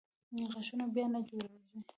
غاښونه بیا نه جوړېږي.